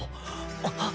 あっ！